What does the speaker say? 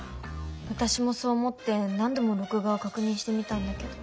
私もそう思って何度も録画を確認してみたんだけど。